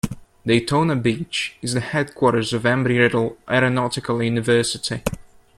Daytona Beach is the headquarters of Embry-Riddle Aeronautical University.